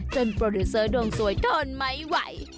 โปรดิวเซอร์ดวงสวยทนไม่ไหว